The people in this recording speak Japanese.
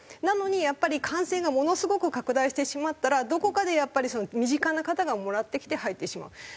なのにやっぱり感染がものすごく拡大してしまったらどこかでやっぱり身近な方がもらってきて入ってしまう。